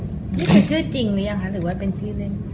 คือชื่อจริงหรือยังคะหรือว่าเป็นชื่อเล่น